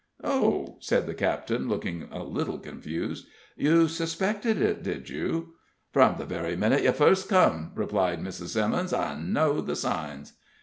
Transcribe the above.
"Oh!" said the captain, looking a little confused, "you suspected it, did you?" "From the very minute you fust kem," replied Mrs. Simmons; "I know the signs."